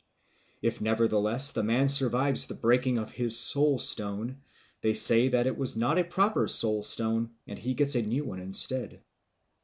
If nevertheless the man survives the breaking of his soul stone, they say that it was not a proper soul stone and he gets a new one instead.